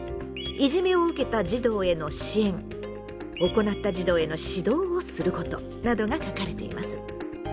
いじめを受けた児童への支援行った児童への指導をすることなどが書かれています。